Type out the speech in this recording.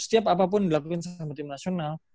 setiap apapun yang dilakuin sama tim nasional